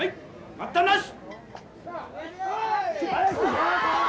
待ったなし！